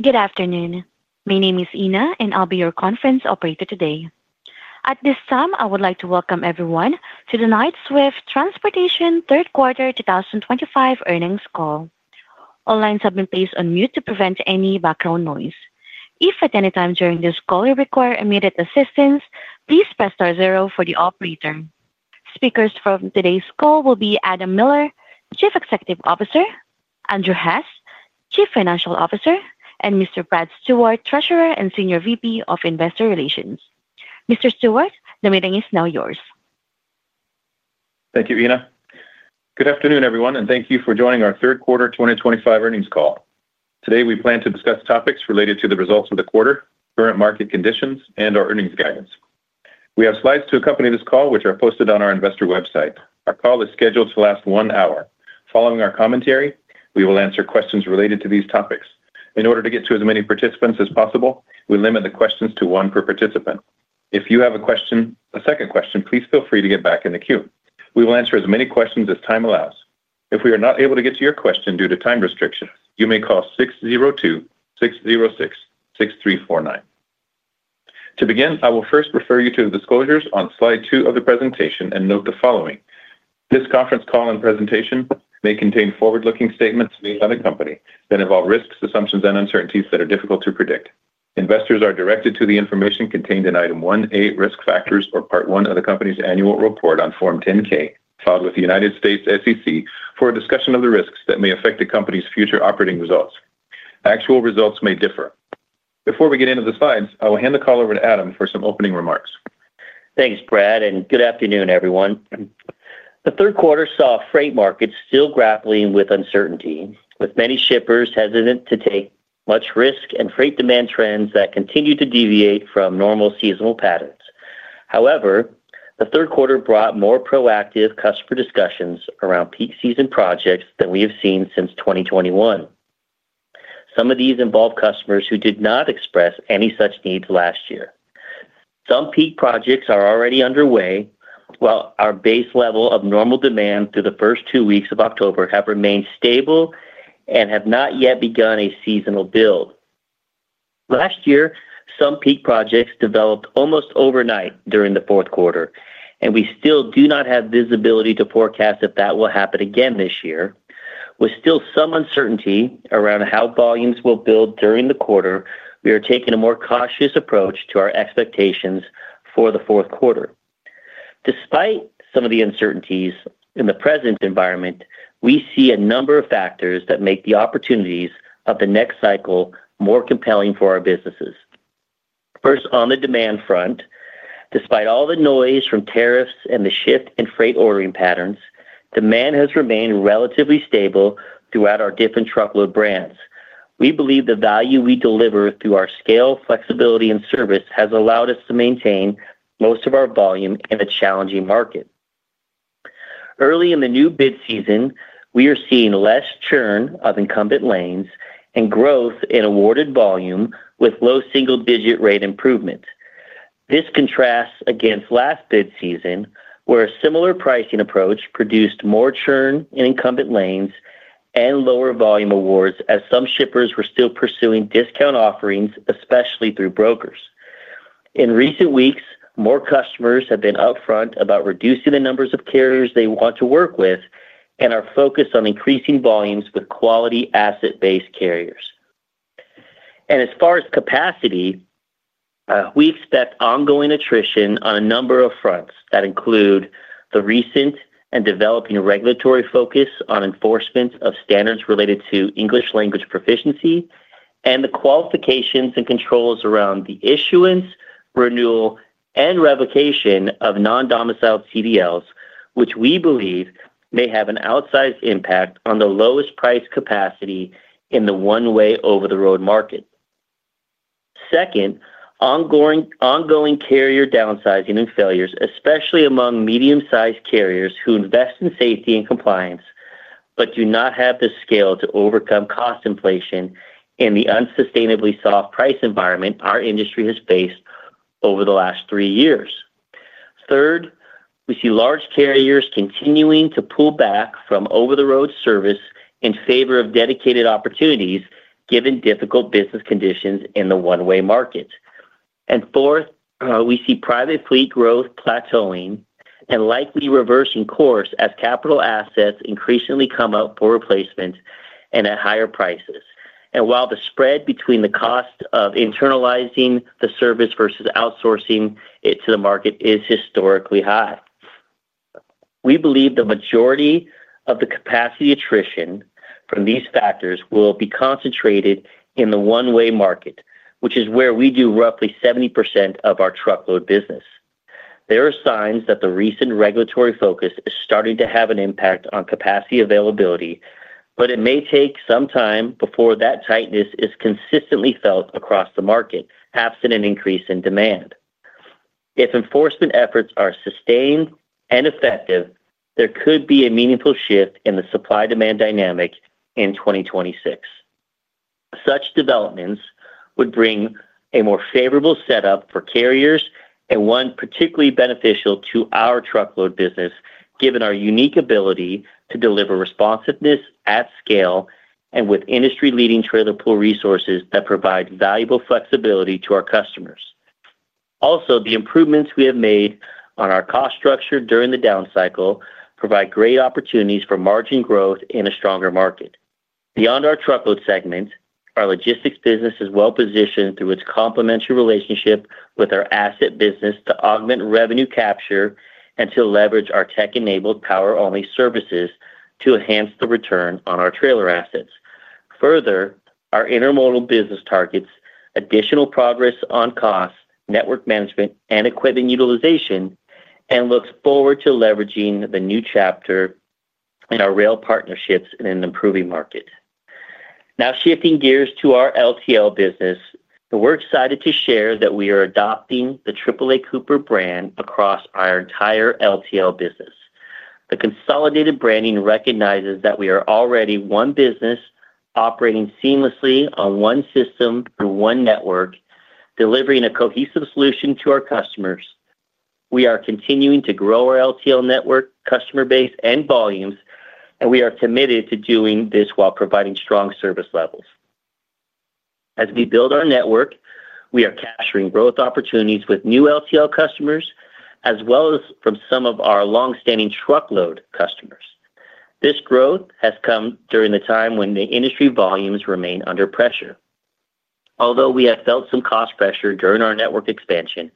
Good afternoon. My name is Ina, and I'll be your conference operator today. At this time, I would like to welcome everyone to the Knight-Swift Transportation Holdings Inc. Third Quarter 2025 earnings call. All lines have been placed on mute to prevent any background noise. If at any time during this call you require immediate assistance, please press star zero for the operator. Speakers from today's call will be Adam Miller, Chief Executive Officer; Andrew Hess, Chief Financial Officer; and Brad Stewart, Treasurer and Senior Vice President of Investor Relations. Mr. Stewart, the meeting is now yours. Thank you, Ina. Good afternoon, everyone, and thank you for joining our Third Quarter 2025 earnings call. Today, we plan to discuss topics related to the results of the quarter, current market conditions, and our earnings guidance. We have slides to accompany this call, which are posted on our investor website. Our call is scheduled to last one hour. Following our commentary, we will answer questions related to these topics. In order to get to as many participants as possible, we limit the questions to one per participant. If you have a second question, please feel free to get back in the queue. We will answer as many questions as time allows. If we are not able to get to your question due to time restrictions, you may call 602-606-6349. To begin, I will first refer you to the disclosures on slide two of the presentation and note the following: this conference call and presentation may contain forward-looking statements made by the company that involve risks, assumptions, and uncertainties that are difficult to predict. Investors are directed to the information contained in Item 1A Risk Factors, or Part 1 of the company's annual report on Form 10-K filed with the U.S. SEC for a discussion of the risks that may affect the company's future operating results. Actual results may differ. Before we get into the slides, I will hand the call over to Adam for some opening remarks. Thanks, Brad, and good afternoon, everyone. The third quarter saw freight markets still grappling with uncertainty, with many shippers hesitant to take much risk and freight demand trends that continue to deviate from normal seasonal patterns. However, the third quarter brought more proactive customer discussions around peak season projects than we have seen since 2021. Some of these involve customers who did not express any such needs last year. Some peak projects are already underway, while our base level of normal demand through the first two weeks of October has remained stable and has not yet begun a seasonal build. Last year, some peak projects developed almost overnight during the fourth quarter, and we still do not have visibility to forecast if that will happen again this year. With still some uncertainty around how volumes will build during the quarter, we are taking a more cautious approach to our expectations for the fourth quarter. Despite some of the uncertainties in the present environment, we see a number of factors that make the opportunities of the next cycle more compelling for our businesses. First, on the demand front, despite all the noise from tariffs and the shift in freight ordering patterns, demand has remained relatively stable throughout our different truckload brands. We believe the value we deliver through our scale, flexibility, and service has allowed us to maintain most of our volume in a challenging market. Early in the new bid season, we are seeing less churn of incumbent lanes and growth in awarded volume with low single-digit rate improvements. This contrasts against last bid season, where a similar pricing approach produced more churn in incumbent lanes and lower volume awards as some shippers were still pursuing discount offerings, especially through brokers. In recent weeks, more customers have been upfront about reducing the numbers of carriers they want to work with and are focused on increasing volumes with quality asset-based carriers. As far as capacity, we expect ongoing attrition on a number of fronts that include the recent and developing regulatory focus on enforcement of standards related to English language proficiency and the qualifications and controls around the issuance, renewal, and revocation of non-domiciled CDLs, which we believe may have an outsized impact on the lowest price capacity in the one-way over-the-road market. Second, ongoing carrier downsizing and failures, especially among medium-sized carriers who invest in safety and compliance but do not have the scale to overcome cost inflation in the unsustainably soft price environment our industry has faced over the last three years. Third, we see large carriers continuing to pull back from over-the-road service in favor of dedicated opportunities given difficult business conditions in the one-way market. Fourth, we see private fleet growth plateauing and likely reversing course as capital assets increasingly come up for replacement and at higher prices. While the spread between the cost of internalizing the service versus outsourcing it to the market is historically high, we believe the majority of the capacity attrition from these factors will be concentrated in the one-way market, which is where we do roughly 70% of our truckload business. There are signs that the recent regulatory focus is starting to have an impact on capacity availability, but it may take some time before that tightness is consistently felt across the market, absent an increase in demand. If enforcement efforts are sustained and effective, there could be a meaningful shift in the supply-demand dynamic in 2026. Such developments would bring a more favorable setup for carriers and one particularly beneficial to our truckload business, given our unique ability to deliver responsiveness at scale and with industry-leading trailer pull resources that provide valuable flexibility to our customers. Also, the improvements we have made on our cost structure during the down cycle provide great opportunities for margin growth in a stronger market. Beyond our truckload segment, our logistics business is well positioned through its complementary relationship with our asset business to augment revenue capture and to leverage our tech-enabled power-only services to enhance the return on our trailer assets. Further, our intermodal business targets additional progress on cost, network management, and equipment utilization and we look forward to leveraging the new chapter in our rail partnerships in an improving market. Now, shifting gears to our LTL business, we're excited to share that we are adopting the AAA Cooper brand across our entire LTL business. The consolidated branding recognizes that we are already one business operating seamlessly on one system through one network, delivering a cohesive solution to our customers. We are continuing to grow our LTL network, customer base, and volumes, and we are committed to doing this while providing strong service levels. As we build our network, we are capturing growth opportunities with new LTL customers, as well as from some of our longstanding truckload customers. This growth has come during the time when the industry volumes remain under pressure. Although we have felt some cost pressure during our network expansion,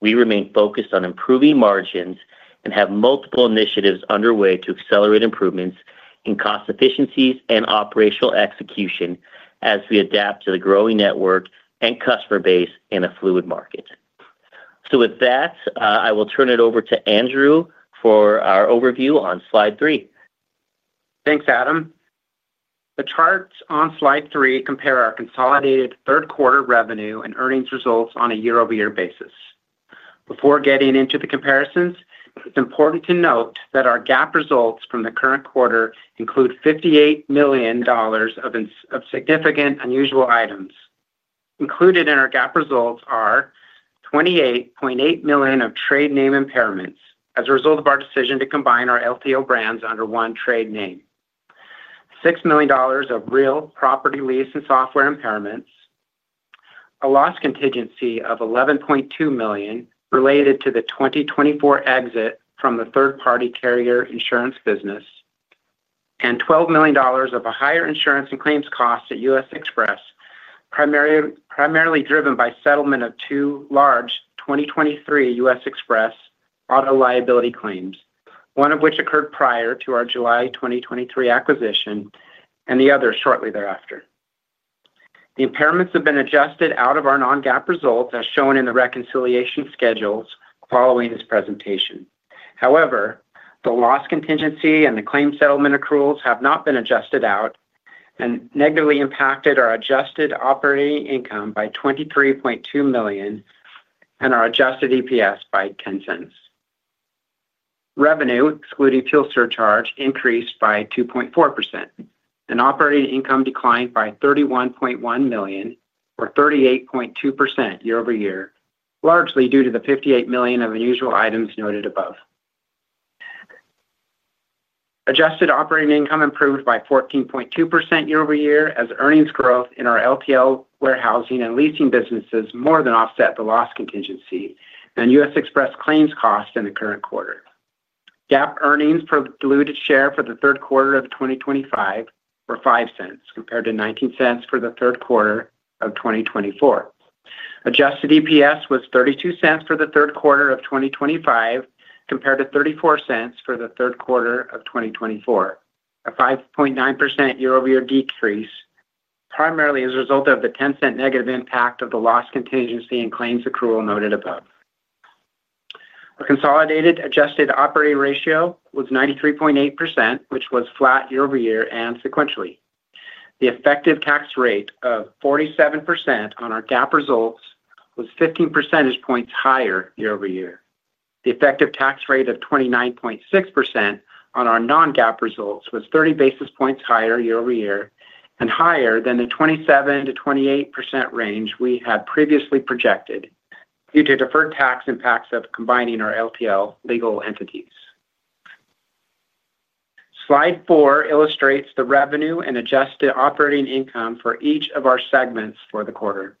we remain focused on improving margins and have multiple initiatives underway to accelerate improvements in cost efficiencies and operational execution as we adapt to the growing network and customer base in a fluid market. I will turn it over to Andrew for our overview on slide three. Thanks, Adam. The charts on slide three compare our consolidated third quarter revenue and earnings results on a year-over-year basis. Before getting into the comparisons, it's important to note that our GAAP results from the current quarter include $58 million of significant unusual items. Included in our GAAP results are $28.8 million of trade name impairments as a result of our decision to combine our LTL brands under one trade name, $6 million of real property lease and software impairments, a loss contingency of $11.2 million related to the 2024 exit from the third-party carrier insurance business, and $12 million of a higher insurance and claims cost at U.S. Xpress, primarily driven by settlement of two large 2023 U.S. Xpress auto liability claims, one of which occurred prior to our July 2023 acquisition and the other shortly thereafter. The impairments have been adjusted out of our non-GAAP results as shown in the reconciliation schedules following this presentation. However, the loss contingency and the claim settlement accruals have not been adjusted out and negatively impacted our adjusted operating income by $23.2 million and our adjusted EPS by $0.10. Revenue, excluding fuel surcharge, increased by 2.4% and operating income declined by $31.1 million or 38.2% year-over-year, largely due to the $58 million of unusual items noted above. Adjusted operating income improved by 14.2% year-over-year as earnings growth in our LTL, warehousing, and leasing businesses more than offset the loss contingency and U.S. Xpress claims cost in the current quarter. GAAP earnings per diluted share for the third quarter of 2025 were $0.05 compared to $0.19 for the third quarter of 2024. Adjusted EPS was $0.32 for the third quarter of 2025 compared to $0.34 for the third quarter of 2024, a 5.9% year-over-year decrease primarily as a result of the $0.10 negative impact of the loss contingency and claims accrual noted above. Our consolidated adjusted operating ratio was 93.8%, which was flat year-over-year and sequentially. The effective tax rate of 47% on our GAAP results was 15 percentage points higher year-over-year. The effective tax rate of 29.6% on our non-GAAP results was 30 basis points higher year-over-year and higher than the 27%-28% range we had previously projected due to deferred tax impacts of combining our LTL legal entities. Slide four illustrates the revenue and adjusted operating income for each of our segments for the quarter.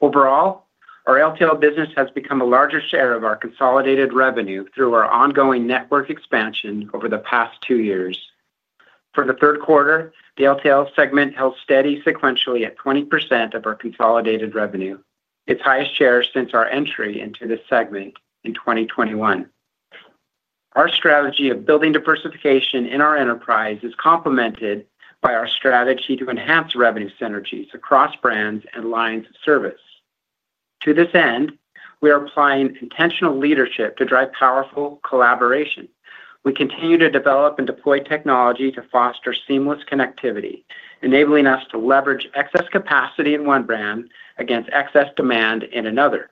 Overall, our LTL business has become a larger share of our consolidated revenue through our ongoing network expansion over the past two years. For the third quarter, the LTL segment held steady sequentially at 20% of our consolidated revenue, its highest share since our entry into this segment in 2021. Our strategy of building diversification in our enterprise is complemented by our strategy to enhance revenue synergies across brands and lines of service. To this end, we are applying intentional leadership to drive powerful collaboration. We continue to develop and deploy technology to foster seamless connectivity, enabling us to leverage excess capacity in one brand against excess demand in another,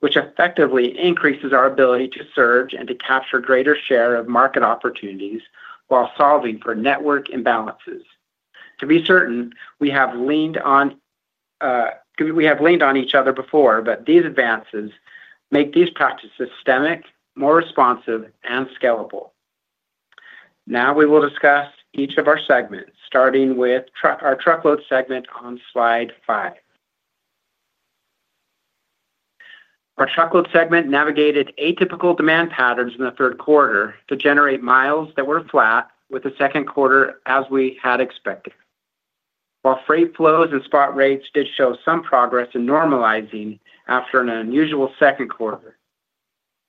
which effectively increases our ability to surge and to capture greater share of market opportunities while solving for network imbalances. To be certain, we have leaned on each other before, but these advances make these practices systemic, more responsive, and scalable. Now we will discuss each of our segments, starting with our truckload segment on slide five. Our truckload segment navigated atypical demand patterns in the third quarter to generate miles that were flat with the second quarter as we had expected. While freight flows and spot rates did show some progress in normalizing after an unusual second quarter,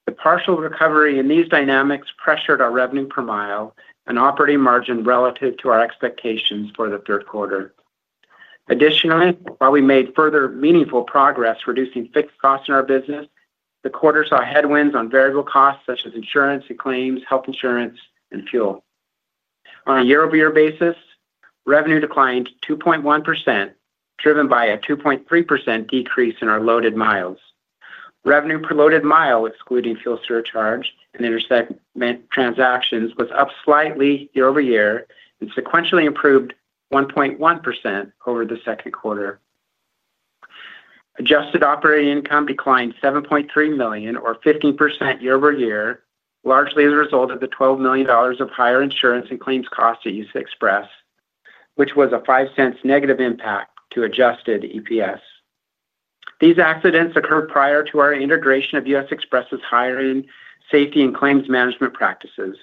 the partial recovery in these dynamics pressured our revenue per mile and operating margin relative to our expectations for the third quarter. Additionally, while we made further meaningful progress reducing fixed costs in our business, the quarter saw headwinds on variable costs such as insurance and claims, health insurance, and fuel. On a year-over-year basis, revenue declined 2.1%, driven by a 2.3% decrease in our loaded miles. Revenue per loaded mile, excluding fuel surcharge and intersect transactions, was up slightly year-over-year and sequentially improved 1.1% over the second quarter. Adjusted operating income declined $7.3 million or 15% year-over-year, largely as a result of the $12 million of higher insurance and claims costs at U.S. Xpress, which was a $0.05 negative impact to adjusted EPS. These accidents occurred prior to our integration of U.S. Xpress's hiring, safety, and claims management practices,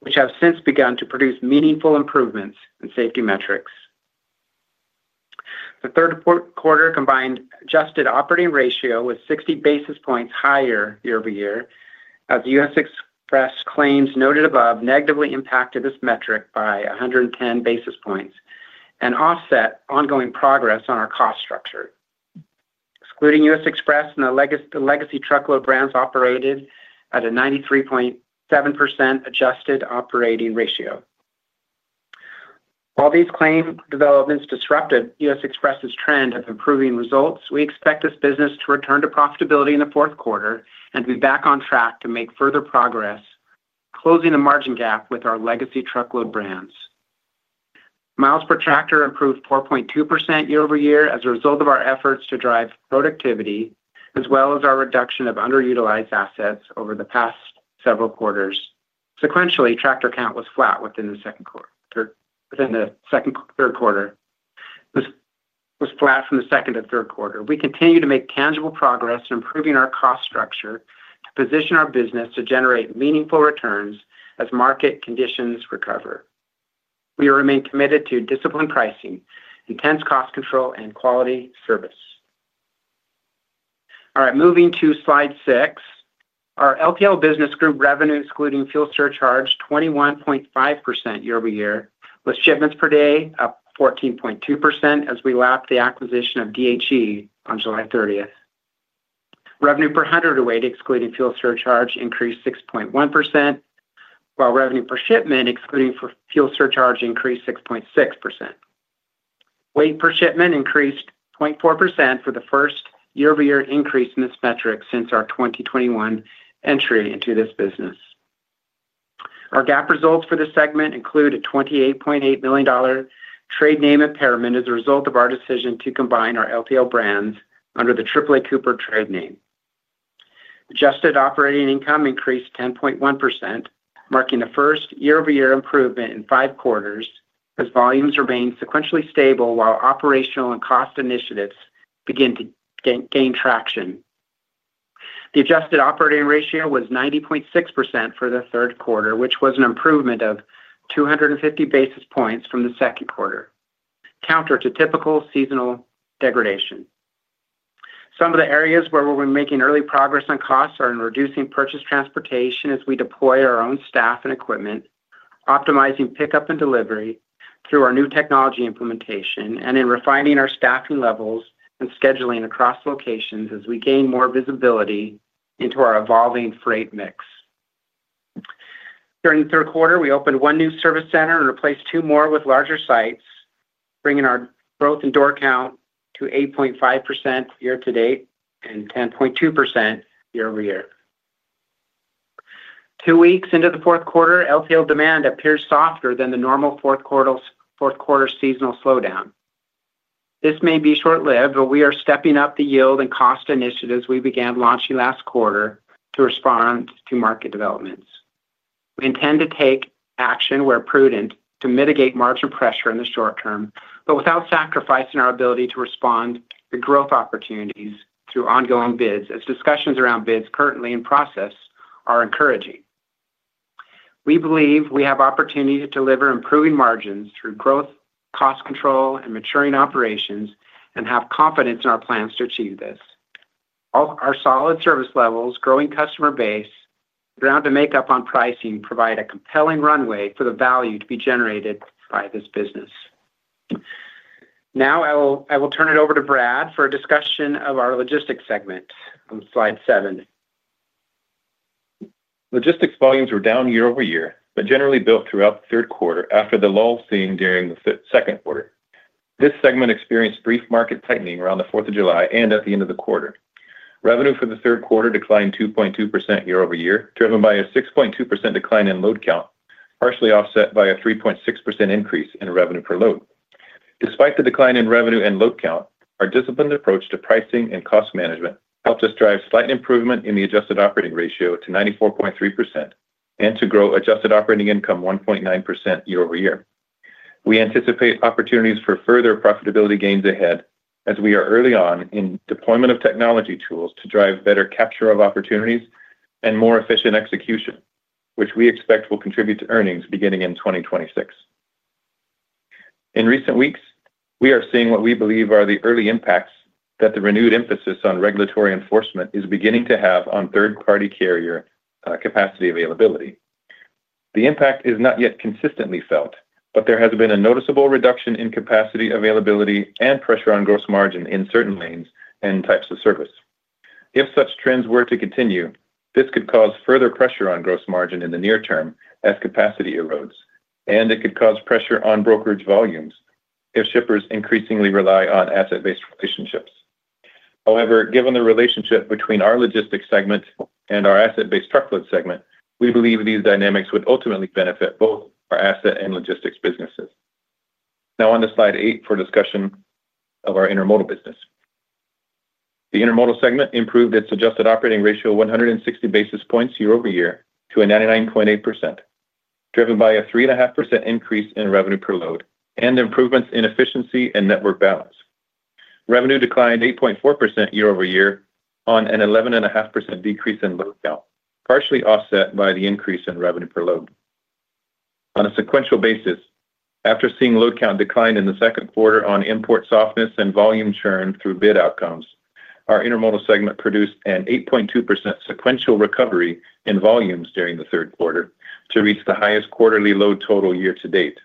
which have since begun to produce meaningful improvements in safety metrics. The third quarter combined adjusted operating ratio was 60 basis points higher year-over-year as U.S. Xpress claims noted above negatively impacted this metric by 110 basis points and offset ongoing progress on our cost structure. Excluding U.S. Xpress, the legacy truckload brands operated at a 93.7% adjusted operating ratio. While these claim developments disrupted U.S. Xpress's trend of improving results, we expect this business to return to profitability in the fourth quarter and be back on track to make further progress, closing the margin gap with our legacy truckload brands. Miles per tractor improved 4.2% year-over-year as a result of our efforts to drive productivity, as well as our reduction of underutilized assets over the past several quarters. Sequentially, tractor count was flat from the second to third quarter. We continue to make tangible progress in improving our cost structure to position our business to generate meaningful returns as market conditions recover. We remain committed to disciplined pricing, intense cost control, and quality service. All right, moving to slide six. Our LTL business group revenue, excluding fuel surcharge, increased 21.5% year-over-year, with shipments per day up 14.2% as we lapped the acquisition of DHE on July 30th, 2023. Revenue per hundredweight, excluding fuel surcharge, increased 6.1%, while revenue per shipment, excluding fuel surcharge, increased 6.6%. Weight per shipment increased 0.4% for the first year-over-year increase in this metric since our 2021 entry into this business. Our GAAP results for this segment include a $28.8 million trade name impairment as a result of our decision to combine our LTL brands under the AAA Cooper trade name. Adjusted operating income increased 10.1%, marking the first year-over-year improvement in five quarters as volumes remain sequentially stable while operational and cost initiatives begin to gain traction. The adjusted operating ratio was 90.6% for the third quarter, which was an improvement of 250 basis points from the second quarter, counter to typical seasonal degradation. Some of the areas where we're making early progress on costs are in reducing purchase transportation as we deploy our own staff and equipment, optimizing pickup and delivery through our new technology implementation, and in refining our staffing levels and scheduling across locations as we gain more visibility into our evolving freight mix. During the third quarter, we opened one new service center and replaced two more with larger sites, bringing our growth in door count to 8.5% year-to-date and 10.2% year-over-year. Two weeks into the fourth quarter, LTL demand appears softer than the normal fourth quarter seasonal slowdown. This may be short-lived, but we are stepping up the yield and cost initiatives we began launching last quarter to respond to market developments. We intend to take action where prudent to mitigate margin pressure in the short term, but without sacrificing our ability to respond to growth opportunities through ongoing bids, as discussions around bids currently in process are encouraging. We believe we have opportunity to deliver improving margins through growth, cost control, and maturing operations and have confidence in our plans to achieve this. Our solid service levels, growing customer base, and ground to make up on pricing provide a compelling runway for the value to be generated by this business. Now I will turn it over to Brad for a discussion of our logistics segment on slide seven. Logistics volumes were down year-over-year, but generally built throughout the third quarter after the lull seen during the second quarter. This segment experienced brief market tightening around the 4th of July and at the end of the quarter. Revenue for the third quarter declined 2.2% year-over-year, driven by a 6.2% decline in load count, partially offset by a 3.6% increase in revenue per load. Despite the decline in revenue and load count, our disciplined approach to pricing and cost management helped us drive slight improvement in the adjusted operating ratio to 94.3% and to grow adjusted operating income 1.9% year-over-year. We anticipate opportunities for further profitability gains ahead as we are early on in deployment of technology tools to drive better capture of opportunities and more efficient execution, which we expect will contribute to earnings beginning in 2026. In recent weeks, we are seeing what we believe are the early impacts that the renewed emphasis on regulatory enforcement is beginning to have on third-party carrier capacity availability. The impact is not yet consistently felt, but there has been a noticeable reduction in capacity availability and pressure on gross margin in certain lanes and types of service. If such trends were to continue, this could cause further pressure on gross margin in the near term as capacity erodes, and it could cause pressure on brokerage volumes if shippers increasingly rely on asset-based relationships. However, given the relationship between our logistics segment and our asset-based truckload segment, we believe these dynamics would ultimately benefit both our asset and logistics businesses. Now on to slide eight for discussion of our intermodal business. The intermodal segment improved its adjusted operating ratio 160 basis points year-over-year to a 99.8%, driven by a 3.5% increase in revenue per load and improvements in efficiency and network balance. Revenue declined 8.4% year-over-year on an 11.5% decrease in load count, partially offset by the increase in revenue per load. On a sequential basis, after seeing load count decline in the second quarter on import softness and volume churn through bid outcomes, our intermodal segment produced an 8.2% sequential recovery in volumes during the third quarter to reach the highest quarterly load total year-to-date.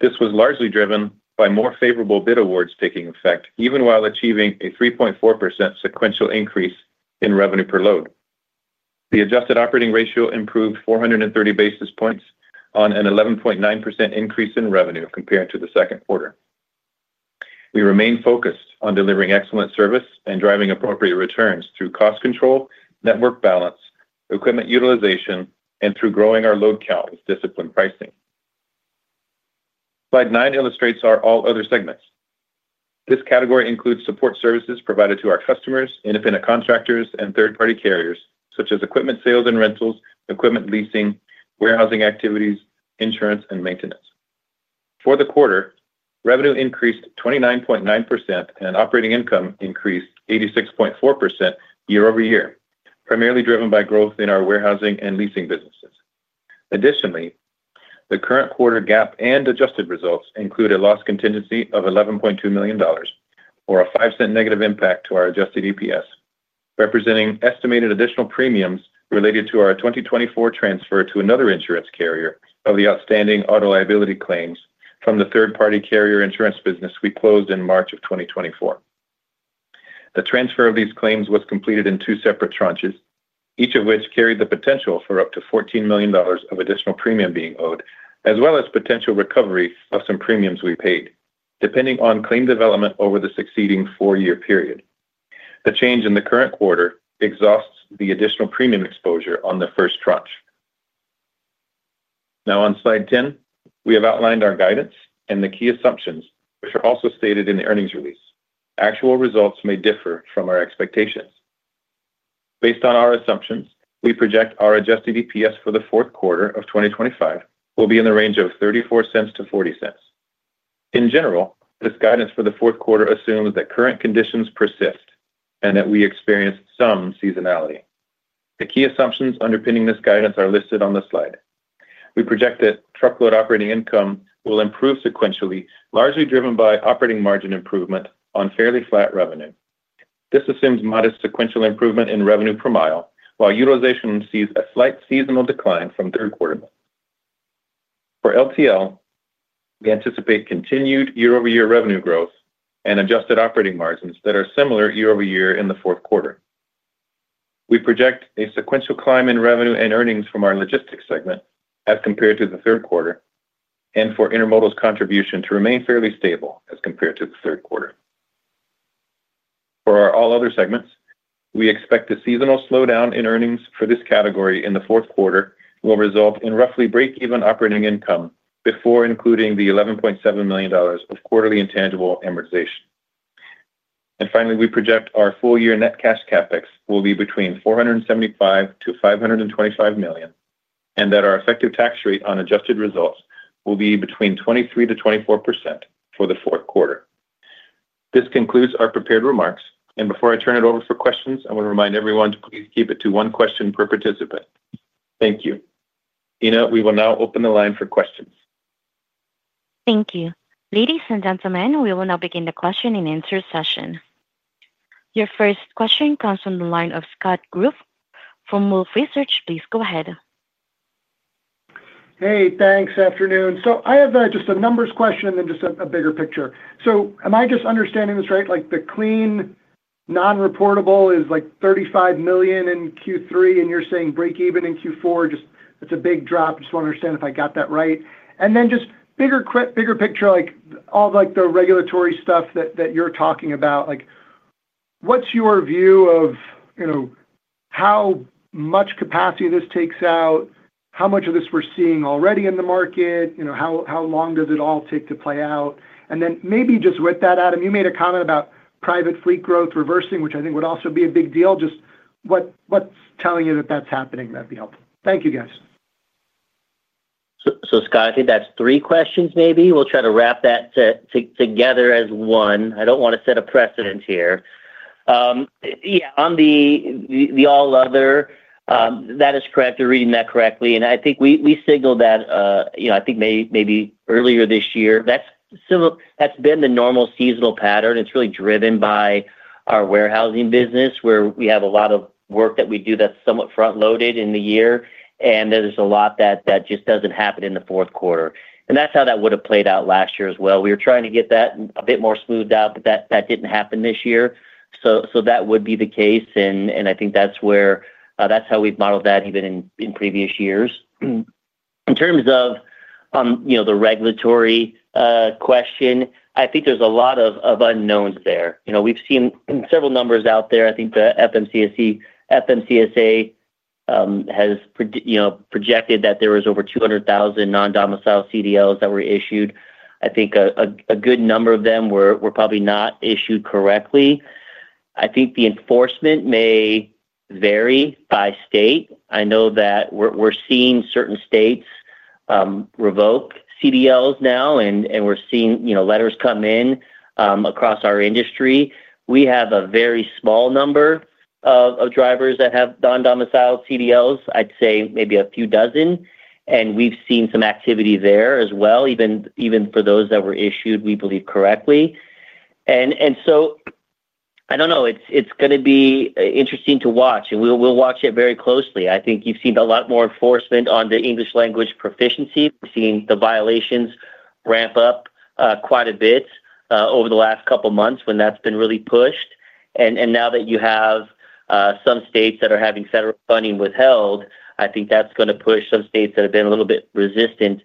This was largely driven by more favorable bid awards taking effect, even while achieving a 3.4% sequential increase in revenue per load. The adjusted operating ratio improved 430 basis points on an 11.9% increase in revenue compared to the second quarter. We remain focused on delivering excellent service and driving appropriate returns through cost control, network balance, equipment utilization, and through growing our load count with disciplined pricing. Slide nine illustrates our all other segments. This category includes support services provided to our customers, independent contractors, and third-party carriers, such as equipment sales and rentals, equipment leasing, warehousing activities, insurance, and maintenance. For the quarter, revenue increased 29.9% and operating income increased 86.4% year-over-year, primarily driven by growth in our warehousing and leasing businesses. Additionally, the current quarter GAAP and adjusted results include a loss contingency of $11.2 million, or a $0.05 negative impact to our adjusted EPS, representing estimated additional premiums related to our 2024 transfer to another insurance carrier of the outstanding auto liability claims from the third-party carrier insurance business we closed in March of 2024. The transfer of these claims was completed in two separate tranches, each of which carried the potential for up to $14 million of additional premium being owed, as well as potential recovery of some premiums we paid, depending on claim development over the succeeding four-year period. The change in the current quarter exhausts the additional premium exposure on the first tranche. Now on slide 10, we have outlined our guidance and the key assumptions, which are also stated in the earnings release. Actual results may differ from our expectations. Based on our assumptions, we project our adjusted EPS for the fourth quarter of 2025 will be in the range of $0.34-$0.40. In general, this guidance for the fourth quarter assumes that current conditions persist and that we experience some seasonality. The key assumptions underpinning this guidance are listed on the slide. We project that truckload operating income will improve sequentially, largely driven by operating margin improvement on fairly flat revenue. This assumes modest sequential improvement in revenue per mile, while utilization sees a slight seasonal decline from third quarter miles. For LTL, we anticipate continued year-over-year revenue growth and adjusted operating margins that are similar year-over-year in the fourth quarter. We project a sequential climb in revenue and earnings from our logistics segment as compared to the third quarter, and for intermodal's contribution to remain fairly stable as compared to the third quarter. For our all other segments, we expect a seasonal slowdown in earnings for this category in the fourth quarter will result in roughly break-even operating income before including the $11.7 million of quarterly intangible amortization. Finally, we project our full-year net cash capex will be between $475 million-$525 million and that our effective tax rate on adjusted results will be between 23%-24% for the fourth quarter. This concludes our prepared remarks. Before I turn it over for questions, I want to remind everyone to please keep it to one question per participant. Thank you. Ina, we will now open the line for questions. Thank you. Ladies and gentlemen, we will now begin the question-and-answer session. Your first question comes from the line of Scott Group from Wolfe Research. Please go ahead. Hey, thanks. Afternoon. I have just a numbers question and then just a bigger picture. Am I just understanding this right? The clean non-reportable is like $35 million in Q3, and you're saying break-even in Q4. It's a big drop. I just want to understand if I got that right. Bigger picture, all the regulatory stuff that you're talking about, what's your view of how much capacity this takes out, how much of this we're seeing already in the market, and how long does it all take to play out? Maybe just with that, Adam, you made a comment about private fleet growth reversing, which I think would also be a big deal. What's telling you that that's happening? That'd be helpful. Thank you, guys. Scott, I think that's three questions, maybe. We'll try to wrap that together as one. I don't want to set a precedent here. Yeah, on the all other, that is correct. You're reading that correctly. I think we signaled that, maybe earlier this year. That's been the normal seasonal pattern. It's really driven by our warehousing business where we have a lot of work that we do that's somewhat front-loaded in the year. There's a lot that just doesn't happen in the fourth quarter. That's how that would have played out last year as well. We were trying to get that a bit more smoothed out, but that didn't happen this year. That would be the case. I think that's where that's how we've modeled that even in previous years. In terms of the regulatory question, I think there's a lot of unknowns there. We've seen several numbers out there. I think the FMCSA has projected that there were over 200,000 non-domiciled CDLs that were issued. I think a good number of them were probably not issued correctly. I think the enforcement may vary by state. I know that we're seeing certain states revoke CDLs now, and we're seeing letters come in across our industry. We have a very small number of drivers that have non-domiciled CDLs. I'd say maybe a few dozen. We've seen some activity there as well, even for those that were issued, we believe, correctly. I don't know. It's going to be interesting to watch, and we'll watch it very closely. I think you've seen a lot more enforcement on the English language proficiency. We've seen the violations ramp up quite a bit over the last couple of months when that's been really pushed. Now that you have some states that are having federal funding withheld, I think that's going to push some states that have been a little bit resistant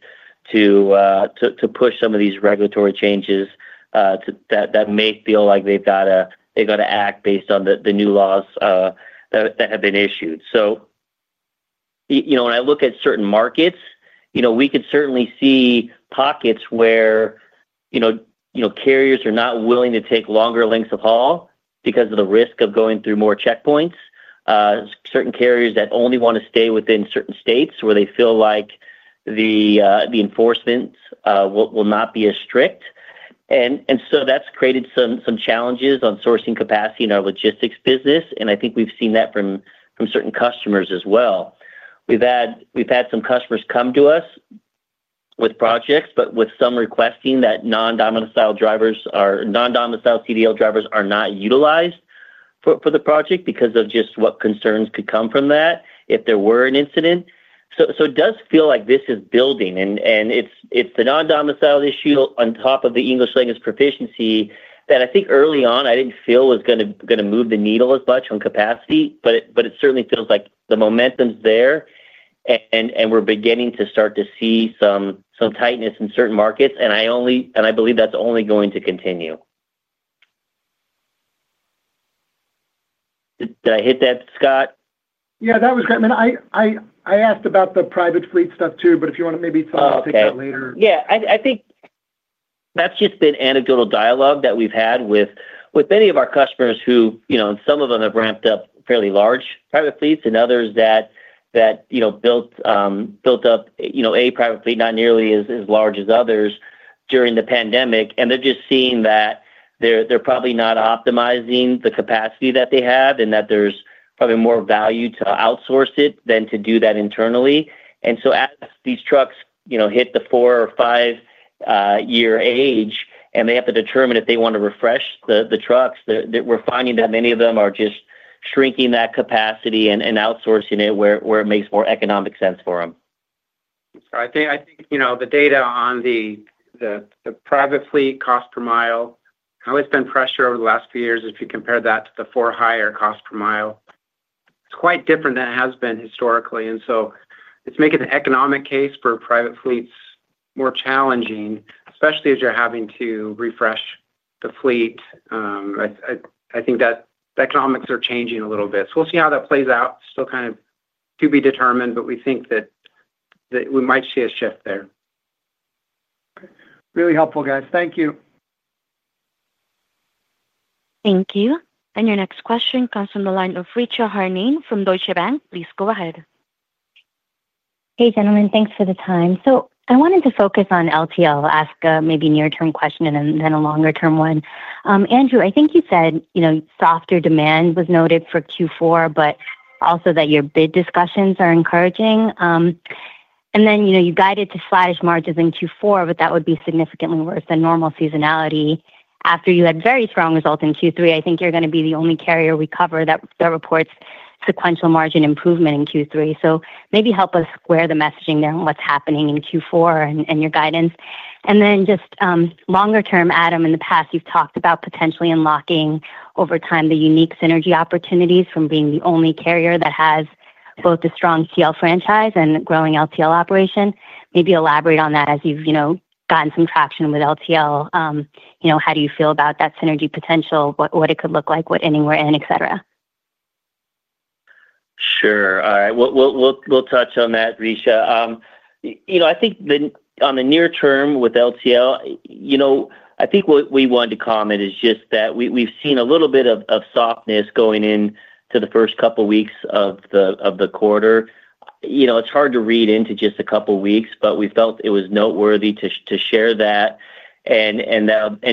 to push some of these regulatory changes that may feel like they've got to act based on the new laws that have been issued. When I look at certain markets, we can certainly see pockets where carriers are not willing to take longer lengths of haul because of the risk of going through more checkpoints. Certain carriers only want to stay within certain states where they feel like the enforcement will not be as strict. That's created some challenges on sourcing capacity in our logistics business. I think we've seen that from certain customers as well. We've had some customers come to us with projects, with some requesting that non-domiciled drivers or non-domiciled CDL drivers are not utilized for the project because of just what concerns could come from that if there were an incident. It does feel like this is building. It's the non-domiciled issue on top of the English language proficiency that I think early on I didn't feel was going to move the needle as much on capacity. It certainly feels like the momentum's there. We're beginning to start to see some tightness in certain markets. I believe that's only going to continue. Did I hit that, Scott? Yeah, that was great. I mean, I asked about the private fleet stuff too, but if you want to maybe talk about that later. Yeah, I think that's just been anecdotal dialogue that we've had with many of our customers who, you know, some of them have ramped up fairly large private fleets and others that, you know, built up, you know, a private fleet not nearly as large as others during the pandemic. They're just seeing that they're probably not optimizing the capacity that they have and that there's probably more value to outsource it than to do that internally. As these trucks hit the four or five-year age and they have to determine if they want to refresh the trucks, we're finding that many of them are just shrinking that capacity and outsourcing it where it makes more economic sense for them. I think the data on the private fleet cost per mile, how it's been pressure over the last few years, if you compare that to the for-hire cost per mile, it's quite different than it has been historically. It's making the economic case for private fleets more challenging, especially as you're having to refresh the fleet. I think that economics are changing a little bit. We'll see how that plays out. Still kind of to be determined, but we think that we might see a shift there. Really helpful, guys. Thank you. Thank you. Your next question comes from the line of Richa Harnain from Deutsche Bank. Please go ahead. Hey, gentlemen. Thanks for the time. I wanted to focus on LTL, ask a maybe near-term question and then a longer-term one. Andrew, I think you said, you know, softer demand was noted for Q4, but also that your bid discussions are encouraging. You guided to margins in Q4, but that would be significantly worse than normal seasonality after you had very strong results in Q3. I think you're going to be the only carrier we cover that reports sequential margin improvement in Q3. Maybe help us square the messaging there on what's happening in Q4 and your guidance. Just longer-term, Adam, in the past, you've talked about potentially unlocking over time the unique synergy opportunities from being the only carrier that has both a strong TL franchise and a growing LTL operation. Maybe elaborate on that as you've gotten some traction with LTL. How do you feel about that synergy potential? What it could look like, what ending we're in, etc.? Sure. All right. We'll touch on that, Richa. I think on the near term with LTL, what we wanted to comment is just that we've seen a little bit of softness going into the first couple of weeks of the quarter. It's hard to read into just a couple of weeks, but we felt it was noteworthy to share that and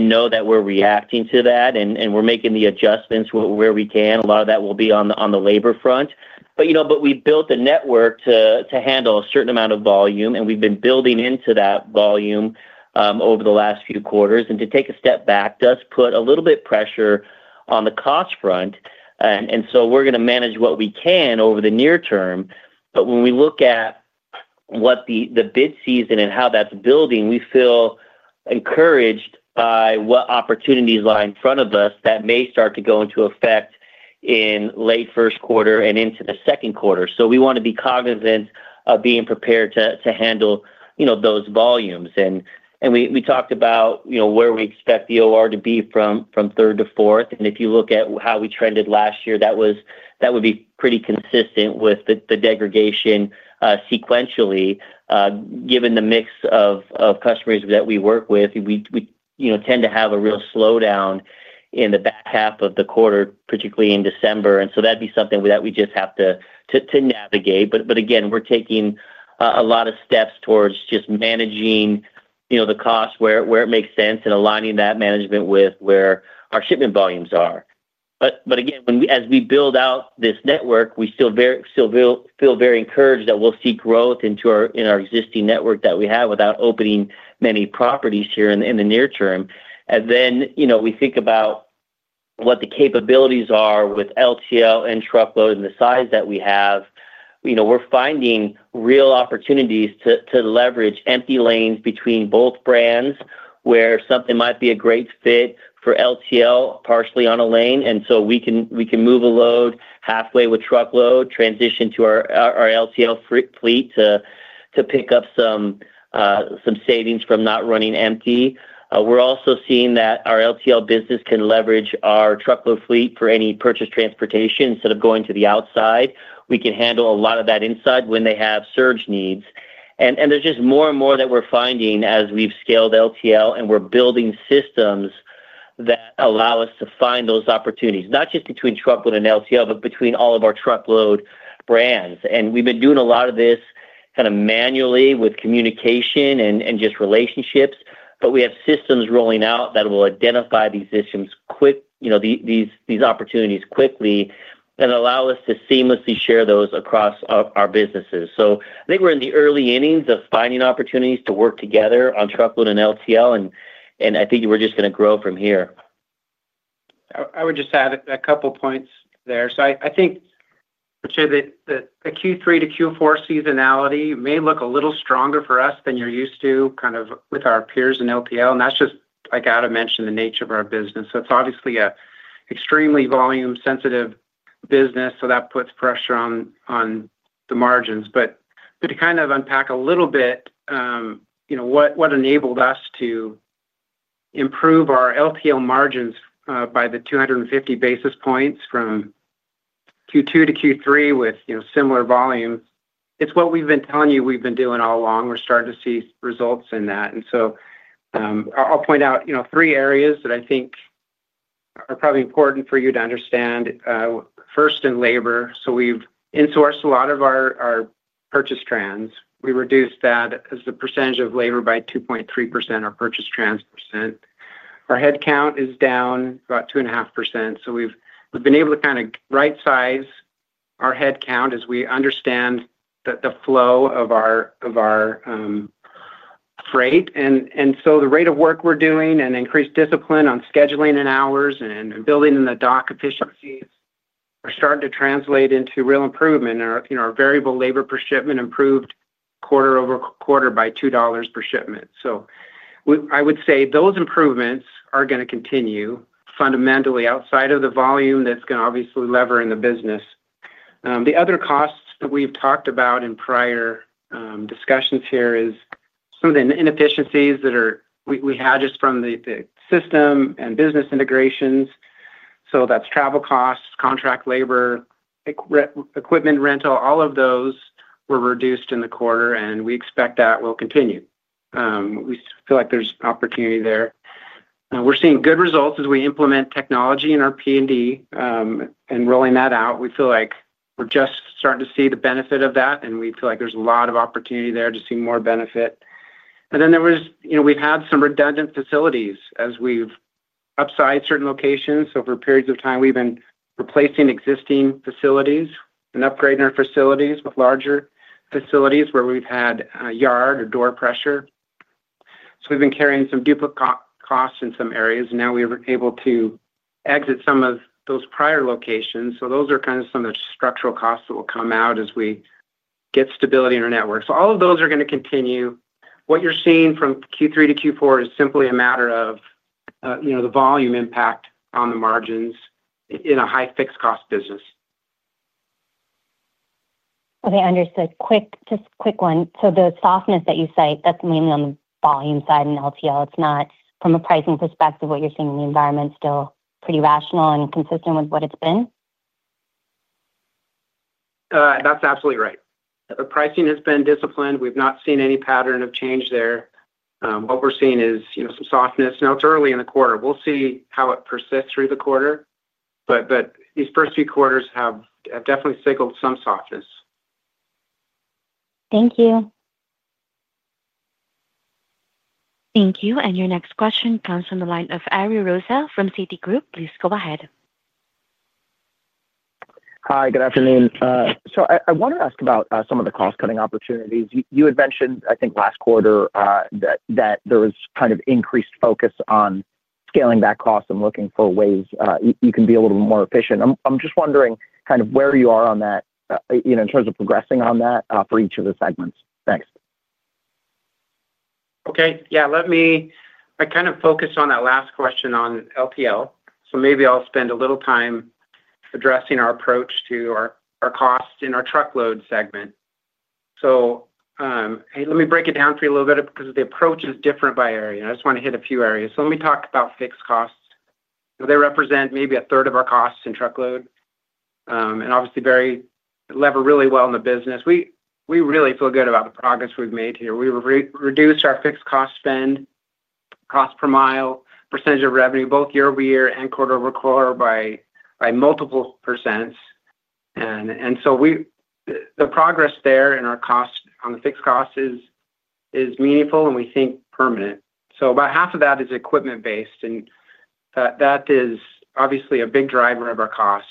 know that we're reacting to that and we're making the adjustments where we can. A lot of that will be on the labor front. We built a network to handle a certain amount of volume, and we've been building into that volume over the last few quarters. To take a step back does put a little bit of pressure on the cost front, and we're going to manage what we can over the near term. When we look at what the bid season and how that's building, we feel encouraged by what opportunities lie in front of us that may start to go into effect in late first quarter and into the second quarter. We want to be cognizant of being prepared to handle those volumes. We talked about where we expect the OR to be from third to fourth, and if you look at how we trended last year, that would be pretty consistent with the degradation sequentially. Given the mix of customers that we work with, we tend to have a real slowdown in the back half of the quarter, particularly in December. That'd be something that we just have to navigate. Again, we're taking a lot of steps towards just managing the cost where it makes sense and aligning that management with where our shipment volumes are. As we build out this network, we still feel very encouraged that we'll see growth in our existing network that we have without opening many properties here in the near term. When we think about what the capabilities are with LTL and truckload and the size that we have, we're finding real opportunities to leverage empty lanes between both brands where something might be a great fit for LTL partially on a lane. We can move a load halfway with truckload, transition to our LTL fleet to pick up some savings from not running empty. We're also seeing that our LTL business can leverage our truckload fleet for any purchase transportation instead of going to the outside. We can handle a lot of that inside when they have surge needs. There is just more and more that we're finding as we've scaled LTL and we're building systems that allow us to find those opportunities, not just between truckload and LTL, but between all of our truckload brands. We've been doing a lot of this kind of manually with communication and just relationships. We have systems rolling out that will identify these issues quickly, you know, these opportunities quickly that allow us to seamlessly share those across our businesses. I think we're in the early innings of finding opportunities to work together on truckload and LTL, and I think we're just going to grow from here. I would just add a couple of points there. I think for sure that the Q3-Q4 seasonality may look a little stronger for us than you're used to with our peers in LTL. That's just, like Adam mentioned, the nature of our business. It's obviously an extremely volume-sensitive business, which puts pressure on the margins. To unpack a little bit what enabled us to improve our LTL margins by the 250 basis points from Q2-Q3 with similar volumes, it's what we've been telling you we've been doing all along. We're starting to see results in that. I'll point out three areas that I think are probably important for you to understand. First, in labor. We've insourced a lot of our purchase trans. We reduced that as the percentage of labor by 2.3%, our purchase trans percent. Our headcount is down about 2.5%. We've been able to right-size our headcount as we understand the flow of our freight. The rate of work we're doing and increased discipline on scheduling and hours and building in the dock efficiencies are starting to translate into real improvement. Our variable labor per shipment improved quarter-over-quarter by $2 per shipment. I would say those improvements are going to continue fundamentally outside of the volume that's going to obviously lever in the business. The other costs that we've talked about in prior discussions here are some of the inefficiencies that we had just from the system and business integrations. That's travel costs, contract labor, equipment rental. All of those were reduced in the quarter, and we expect that will continue. We feel like there's opportunity there. We're seeing good results as we implement technology in our P&D and rolling that out. We feel like we're just starting to see the benefit of that, and we feel like there's a lot of opportunity there to see more benefit. There was, you know, we've had some redundant facilities as we've upsized certain locations. For periods of time, we've been replacing existing facilities and upgrading our facilities with larger facilities where we've had yard or door pressure. We've been carrying some duplicate costs in some areas, and now we were able to exit some of those prior locations. Those are some of the structural costs that will come out as we get stability in our network. All of those are going to continue. What you're seeing from Q3-Q4 is simply a matter of the volume impact on the margins in a high fixed cost business. Okay, understood. Just a quick one. The softness that you cite, that's mainly on the volume side in LTL. It's not from a pricing perspective; what you're seeing in the environment is still pretty rational and consistent with what it's been? That's absolutely right. The pricing has been disciplined. We've not seen any pattern of change there. What we're seeing is some softness. Now it's early in the quarter. We'll see how it persists through the quarter, but these first few quarters have definitely signaled some softness. Thank you. Thank you. Your next question comes from the line of Ariel Rosa from Citigroup. Please go ahead. Hi, good afternoon. I wanted to ask about some of the cost-cutting opportunities. You had mentioned, I think, last quarter that there was kind of increased focus on scaling that cost and looking for ways you can be a little more efficient. I'm just wondering where you are on that, you know, in terms of progressing on that for each of the segments. Thanks. Okay. Let me kind of focus on that last question on LTL. Maybe I'll spend a little time addressing our approach to our costs in our truckload segment. Let me break it down for you a little bit because the approach is different by area. I just want to hit a few areas. Let me talk about fixed costs. They represent maybe a third of our costs in truckload, and obviously, they lever really well in the business. We really feel good about the progress we've made here. We reduced our fixed cost spend, cost per mile, percentage of revenue, both year-over-year and quarter over quarter by multiple percents. The progress there in our cost on the fixed cost is meaningful, and we think permanent. About half of that is equipment-based, and that is obviously a big driver of our costs.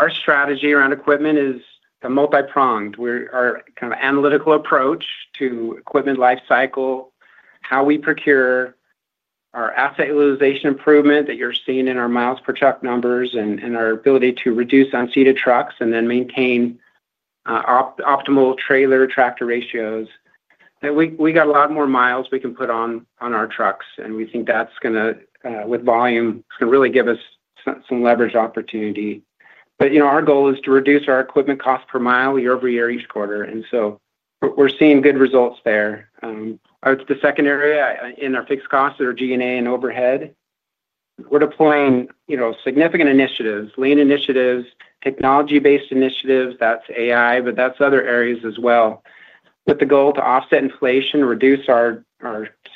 Our strategy around equipment is multi-pronged. Our analytical approach to equipment lifecycle, how we procure, our asset utilization improvement that you're seeing in our miles per truck numbers, and our ability to reduce unseated trucks and then maintain optimal trailer tractor ratios. We got a lot more miles we can put on our trucks, and we think that's going to, with volume, really give us some leverage opportunity. Our goal is to reduce our equipment cost per mile year-over-year, each quarter, and we're seeing good results there. The second area in our fixed costs are G&A and overhead. We're deploying significant initiatives, lean initiatives, technology-based initiatives. That's AI, but that's other areas as well, with the goal to offset inflation, reduce our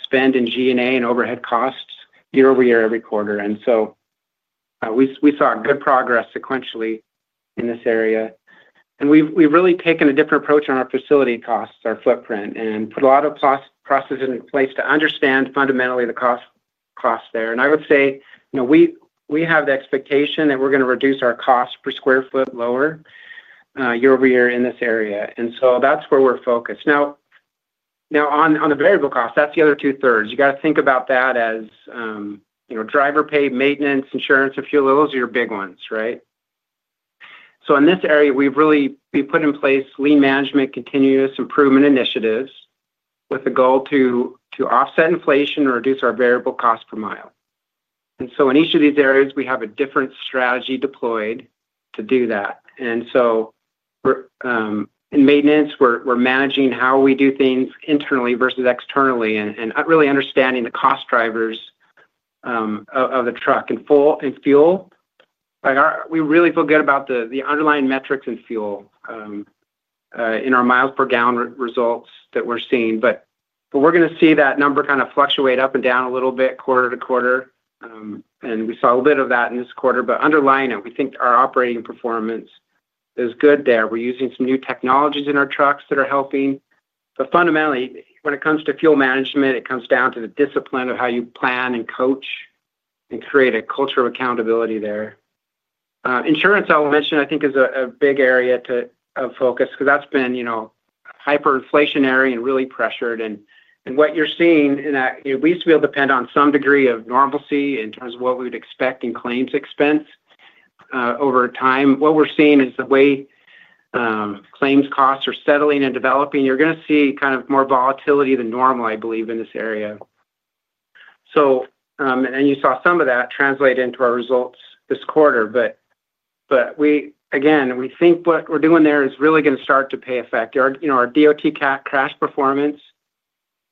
spend in G&A and overhead costs year-over-year every quarter. We saw good progress sequentially in this area. We've really taken a different approach on our facility costs, our footprint, and put a lot of processes in place to understand fundamentally the costs there. We have the expectation that we're going to reduce our costs per square foot lower year-over-year in this area. That's where we're focused. Now, on the variable costs, that's the other 2/3. You got to think about that as driver pay, maintenance, insurance, and fuel levels are your big ones, right? In this area, we've really put in place lean management continuous improvement initiatives with the goal to offset inflation and reduce our variable cost per mile. In each of these areas, we have a different strategy deployed to do that. In maintenance, we're managing how we do things internally versus externally and really understanding the cost drivers of the truck and fuel. We really feel good about the underlying metrics in fuel in our miles per gallon results that we're seeing. We're going to see that number kind of fluctuate up and down a little bit quarter to quarter. We saw a little bit of that in this quarter. Underlying it, we think our operating performance is good there. We're using some new technologies in our trucks that are helping. Fundamentally, when it comes to fuel management, it comes down to the discipline of how you plan and coach and create a culture of accountability there. Insurance, I think, is a big area of focus because that's been hyperinflationary and really pressured. What you're seeing in that, we used to be able to depend on some degree of normalcy in terms of what we would expect in claims expense over time. What we're seeing is the way claims costs are settling and developing. You're going to see kind of more volatility than normal, I believe, in this area. You saw some of that translate into our results this quarter. We think what we're doing there is really going to start to pay effect. Our DOT crash performance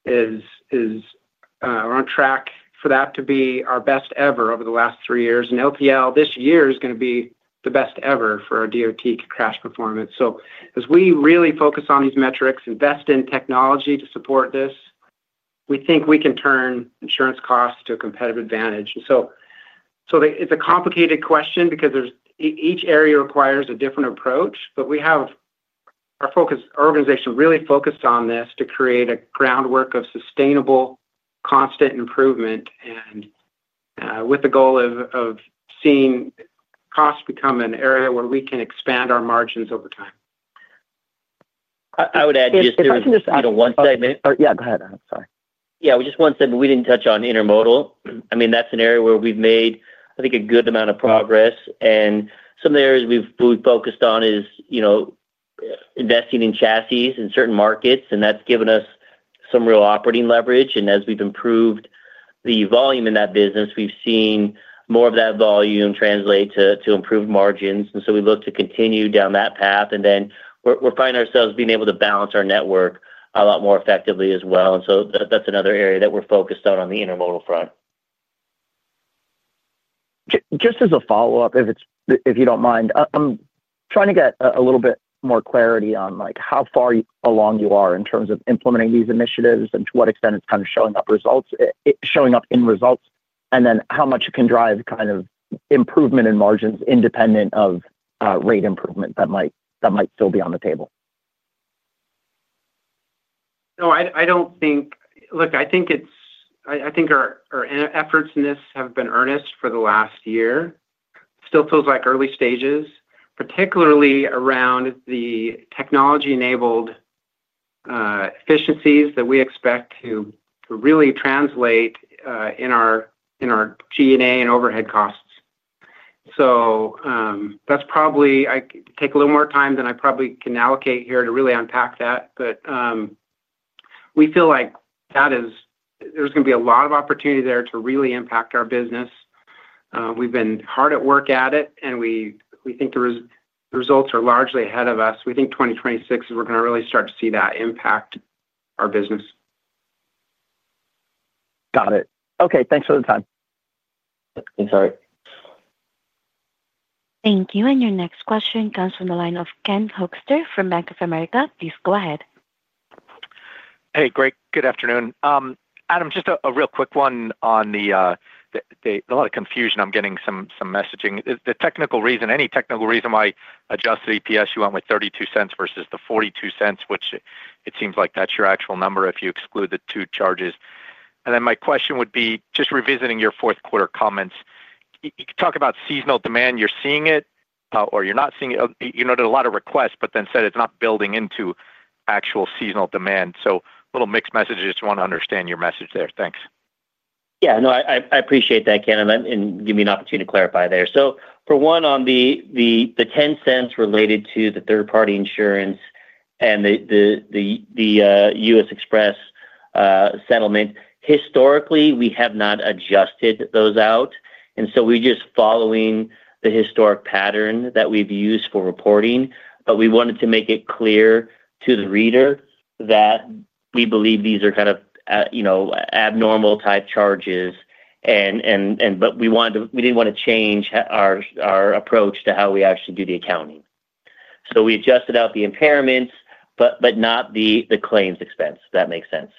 is, we're on track for that to be our best ever over the last three years. LTL this year is going to be the best ever for our DOT crash performance. As we really focus on these metrics and invest in technology to support this, we think we can turn insurance costs to a competitive advantage. It's a complicated question because each area requires a different approach. We have our organization really focused on this to create a groundwork of sustainable, constant improvement, with the goal of seeing costs become an area where we can expand our margins over time. I would add just to one segment. Yeah, go ahead. I'm sorry. We just have one segment we didn't touch on, intermodal. I mean, that's an area where we've made, I think, a good amount of progress. Some of the areas we've focused on are investing in chassis in certain markets, and that's given us some real operating leverage. As we've improved the volume in that business, we've seen more of that volume translate to improved margins. We look to continue down that path. We're finding ourselves being able to balance our network a lot more effectively as well. That's another area that we're focused on, on the intermodal front. Just as a follow-up, if you don't mind, I'm trying to get a little bit more clarity on how far along you are in terms of implementing these initiatives and to what extent it's showing up in results, and then how much it can drive improvement in margins independent of rate improvement that might still be on the table. No, I don't think, look, I think it's, I think our efforts in this have been earnest for the last year. It still feels like early stages, particularly around the technology-enabled efficiencies that we expect to really translate in our G&A and overhead costs. That's probably going to take a little more time than I can allocate here to really unpack that. We feel like there is going to be a lot of opportunity there to really impact our business. We've been hard at work at it, and we think the results are largely ahead of us. We think 2026 is when we're going to really start to see that impact our business. Got it. Okay, thanks for the time. Thanks, Ariel. Thank you. Your next question comes from the line of Ken Hoexter from Bank of America. Please go ahead. Hey, great. Good afternoon. Adam, just a real quick one on the, a lot of confusion I'm getting, some messaging. The technical reason, any technical reason why adjusted EPS you went with $0.32 versus the $0.42, which it seems like that's your actual number if you exclude the two charges. My question would be, just revisiting your fourth quarter comments, you could talk about seasonal demand. You're seeing it or you're not seeing it. You noted a lot of requests, but then said it's not building into actual seasonal demand. A little mixed message. I just want to understand your message there. Thanks. Yeah, no, I appreciate that, Ken, and give me an opportunity to clarify there. For one, on the $0.10 related to the third-party insurance and the U.S. Xpress settlement, historically, we have not adjusted those out. We're just following the historic pattern that we've used for reporting. We wanted to make it clear to the reader that we believe these are kind of, you know, abnormal type charges, but we didn't want to change our approach to how we actually do the accounting. We adjusted out the impairments, but not the claims expense, if that makes sense.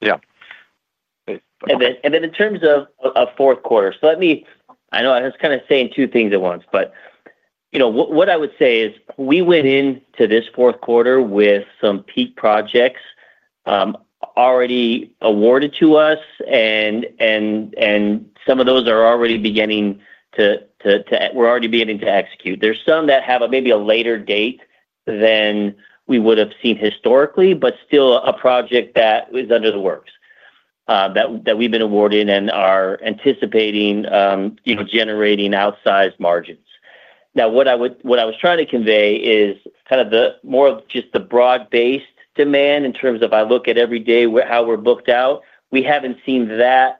Yeah. In terms of the fourth quarter, what I would say is we went into this fourth quarter with some peak projects already awarded to us, and some of those are already beginning to execute. There are some that have maybe a later date than we would have seen historically, but still a project that is under the works that we've been awarded and are anticipating generating outsized margins. What I was trying to convey is more of just the broad-based demand in terms of how I look at every day how we're booked out. We haven't seen that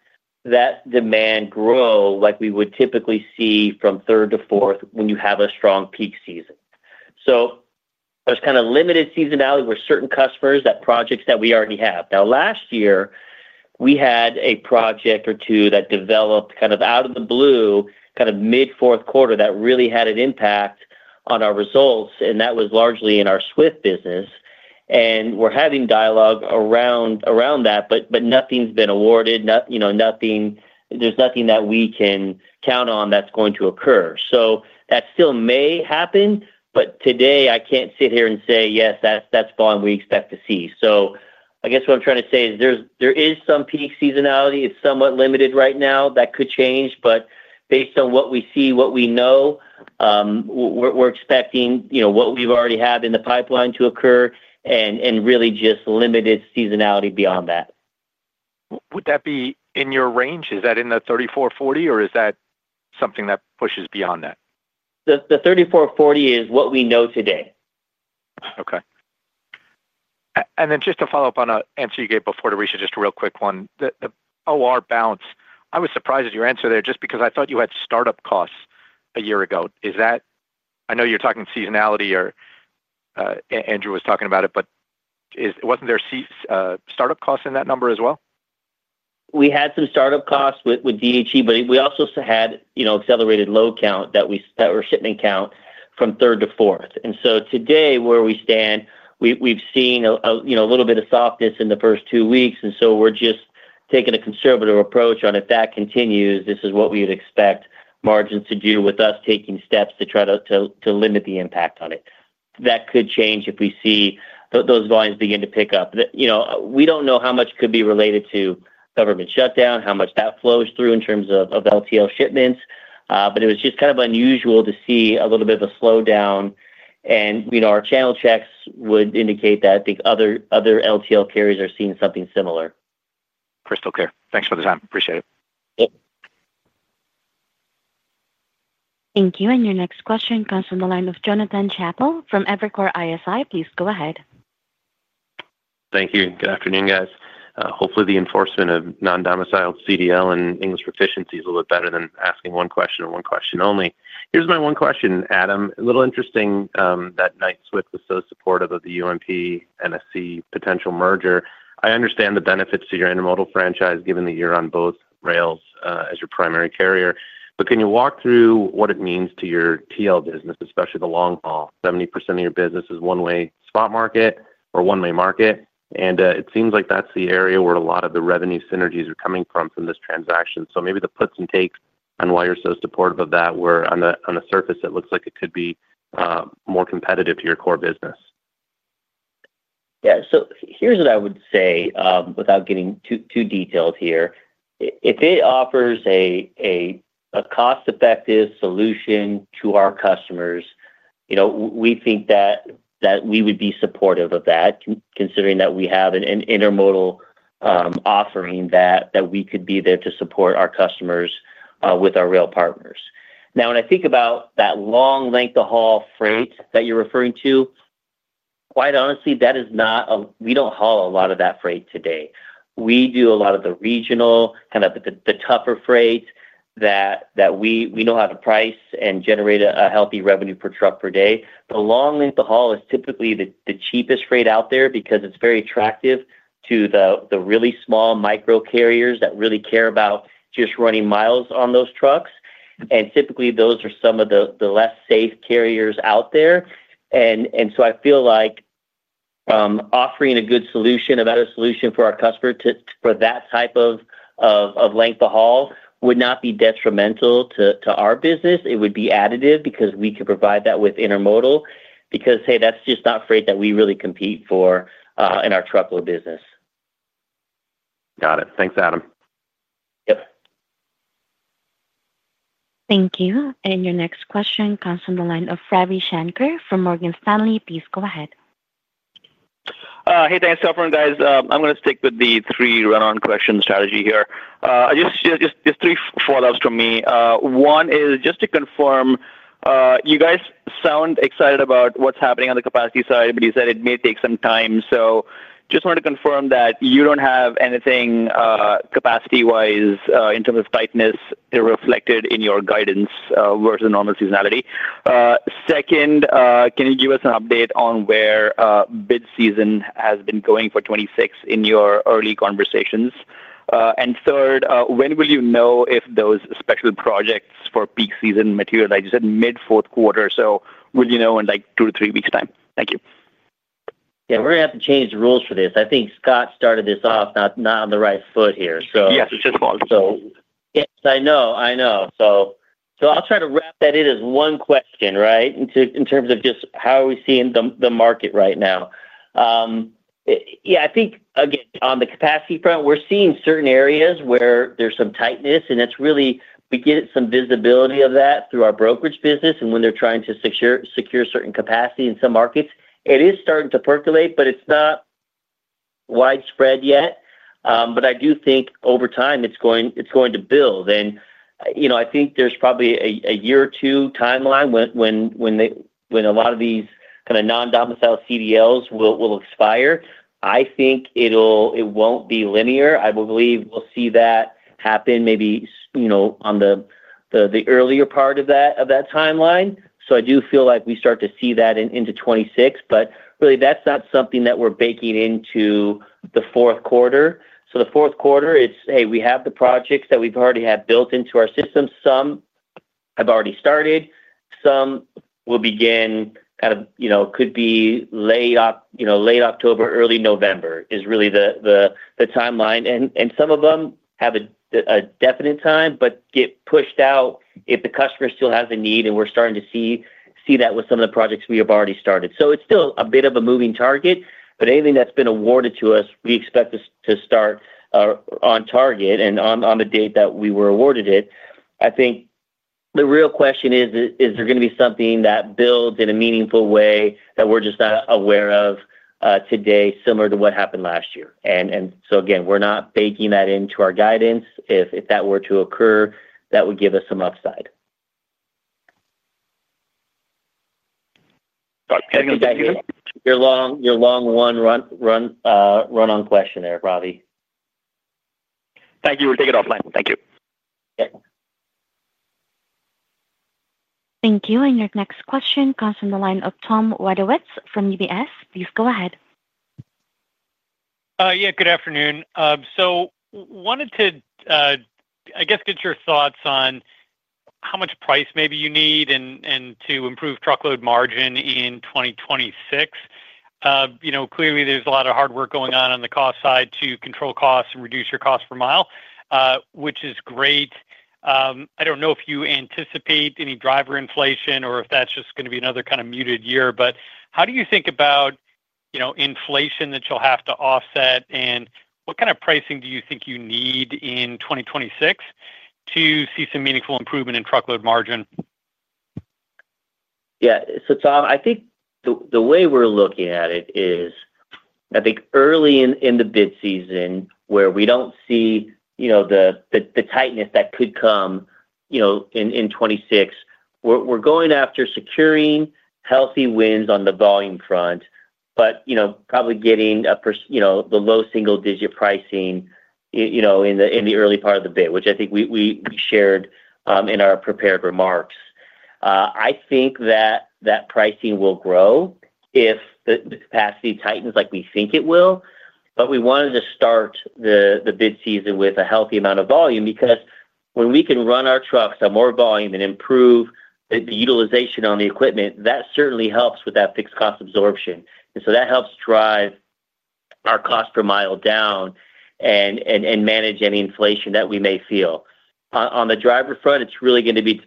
demand grow like we would typically see from third to fourth when you have a strong peak season. There is kind of limited seasonality with certain customers and projects that we already have. Last year, we had a project or two that developed out of the blue, kind of mid-fourth quarter, that really had an impact on our results, and that was largely in our Swift business. We're having dialogue around that, but nothing's been awarded. There's nothing that we can count on that's going to occur. That still may happen, but today I can't sit here and say, "Yes, that's falling we expect to see." What I'm trying to say is there is some peak seasonality. It's somewhat limited right now. That could change. Based on what we see and what we know, we're expecting what we've already had in the pipeline to occur and really just limited seasonality beyond that. Would that be in your range? Is that in the $0.34-$0.40, or is that something that pushes beyond that? The $0.34-$0.40 is what we know today. Okay. Just to follow up on an answer you gave before, to Richa, just a real quick one. The OR balance, I was surprised at your answer there just because I thought you had startup costs a year ago. Is that, I know you're talking seasonality or Andrew was talking about it, but wasn't there startup costs in that number as well? We had some startup costs with DHE, but we also had accelerated load count that were shipment count from third to fourth. Today, where we stand, we've seen a little bit of softness in the first two weeks. We're just taking a conservative approach on if that continues, this is what we would expect margins to do with us taking steps to try to limit the impact on it. That could change if we see those volumes begin to pick up. We don't know how much could be related to government shutdown, how much that flows through in terms of LTL shipments. It was just kind of unusual to see a little bit of a slowdown. Our channel checks would indicate that I think other LTL carriers are seeing something similar. Crystal clear. Thanks for the time. Appreciate it. Yep. Thank you. Your next question comes from the line of Jonathan Chappell from Evercore ISI. Please go ahead. Thank you. Good afternoon, guys. Hopefully, the enforcement of non-domiciled CDL and English proficiency is a little bit better than asking one question and one question only. Here's my one question, Adam. A little interesting that Knight-Swift was so supportive of the UMP-NSC potential merger. I understand the benefits to your intermodal franchise given that you're on both rails as your primary carrier. Can you walk through what it means to your TL business, especially the long haul? 70% of your business is one-way spot market or one-way market. It seems like that's the area where a lot of the revenue synergies are coming from from this transaction. Maybe the puts and takes on why you're so supportive of that where, on the surface, it looks like it could be more competitive to your core business. Yeah. Here's what I would say without getting too detailed here. If it offers a cost-effective solution to our customers, we think that we would be supportive of that, considering that we have an intermodal offering that we could be there to support our customers with our rail partners. Now, when I think about that long length of haul freight that you're referring to, quite honestly, that is not a—we don't haul a lot of that freight today. We do a lot of the regional, kind of the tougher freight that we know how to price and generate a healthy revenue per truck per day. The long length of haul is typically the cheapest freight out there because it's very attractive to the really small micro carriers that really care about just running miles on those trucks. Typically, those are some of the less safe carriers out there. I feel like offering a good solution, a better solution for our customer for that type of length of haul would not be detrimental to our business. It would be additive because we could provide that with intermodal because that's just not freight that we really compete for in our truckload business. Got it. Thanks, Adam. Yep. Thank you. Your next question comes from the line of Ravi Shanker from Morgan Stanley. Please go ahead. Hey, thanks. How are you doing, guys? I'm going to stick with the three run-on question strategy here. Just three follow-ups from me. One is just to confirm, you guys sound excited about what's happening on the capacity side, but you said it may take some time. Just wanted to confirm that you don't have anything capacity-wise in terms of tightness reflected in your guidance versus normal seasonality. Second, can you give us an update on where bid season has been going for 2026 in your early conversations? Third, when will you know if those special projects for peak season material, like you said, mid-fourth quarter? Will you know in like two to three weeks' time? Thank you. Yeah, we're going to have to change the rules for this. I think Scott started this off not on the right foot here. Yes, it's just fall. Yes, I know. I'll try to wrap that in as one question, in terms of just how are we seeing the market right now. I think, again, on the capacity front, we're seeing certain areas where there's some tightness, and that's really, we get some visibility of that through our brokerage business. When they're trying to secure certain capacity in some markets, it is starting to percolate, but it's not widespread yet. I do think over time it's going to build. I think there's probably a year or two timeline when a lot of these kind of non-domiciled CDLs will expire. I think it won't be linear. I believe we'll see that happen maybe on the earlier part of that timeline. I do feel like we start to see that into 2026. That's not something that we're baking into the fourth quarter. The fourth quarter, it's, hey, we have the projects that we've already had built into our system. Some have already started. Some will begin out of, could be late October, early November is really the timeline. Some of them have a definite time, but get pushed out if the customer still has a need. We're starting to see that with some of the projects we have already started. It's still a bit of a moving target. Anything that's been awarded to us, we expect us to start on target and on the date that we were awarded it. I think the real question is, is there going to be something that builds in a meaningful way that we're just not aware of today, similar to what happened last year. We're not baking that into our guidance. If that were to occur, that would give us some upside. Got it. You're long one run-on question there, Ravi. Thank you. We'll take it offline. Thank you. Yep. Thank you. Your next question comes from the line of Tom Wadowitz from UBS. Please go ahead. Good afternoon. I wanted to get your thoughts on how much price maybe you need to improve truckload margin in 2026. Clearly, there's a lot of hard work going on on the cost side to control costs and reduce your cost per mile, which is great. I don't know if you anticipate any driver inflation or if that's just going to be another kind of muted year. How do you think about inflation that you'll have to offset? What kind of pricing do you think you need in 2026 to see some meaningful improvement in truckload margin? Yeah. Tom, I think the way we're looking at it is, early in the bid season where we don't see the tightness that could come in 2026, we're going after securing healthy wins on the volume front, but probably getting the low single-digit pricing in the early part of the bid, which I think we shared in our prepared remarks. I think that pricing will grow if the capacity tightens like we think it will. We wanted to start the bid season with a healthy amount of volume because when we can run our trucks at more volume and improve the utilization on the equipment, that certainly helps with that fixed cost absorption. That helps drive our cost per mile down and manage any inflation that we may feel. On the driver front, it's really going to be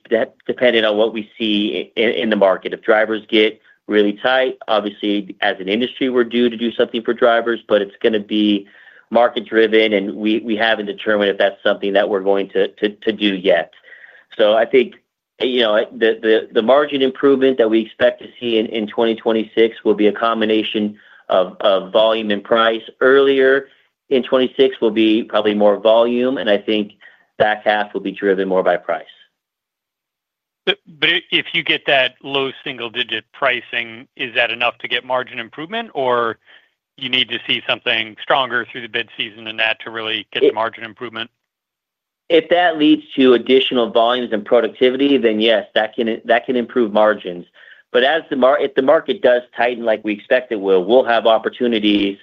dependent on what we see in the market. If drivers get really tight, obviously, as an industry, we're due to do something for drivers, but it's going to be market-driven, and we haven't determined if that's something that we're going to do yet. The margin improvement that we expect to see in 2026 will be a combination of volume and price. Earlier in 2026 will be probably more volume, and I think that half will be driven more by price. If you get that low single-digit pricing, is that enough to get margin improvement, or do you need to see something stronger through the bid season than that to really get the margin improvement? If that leads to additional volumes and productivity, then yes, that can improve margins. As the market does tighten like we expect it will, we'll have opportunities